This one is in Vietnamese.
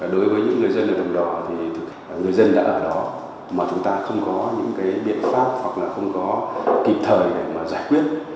đối với những người dân ở đồng đỏ thì người dân đã ở đó mà chúng ta không có những cái biện pháp hoặc là không có kịp thời để mà giải quyết